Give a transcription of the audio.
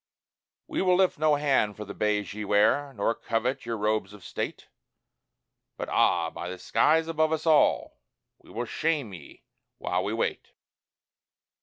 We will lift no hand for the bays ye wear, nor covet your robes of state But ah! by the skies above us all, we will shame ye while we wait!